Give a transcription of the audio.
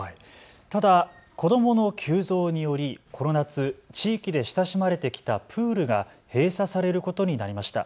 ただ子どもの急増によりこの夏、地域で親しまれてきたプールが閉鎖されることになりました。